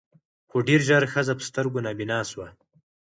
خو ډېر ژر ښځه په سترګو نابینا سوه